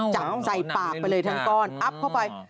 จับใส่ปากไปเลยทั้งก้อนอัพเข้าไป